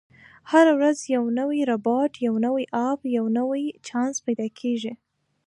هره ورځ یو نوی روباټ، یو نوی اپ، او یو نوی چانس پیدا کېږي.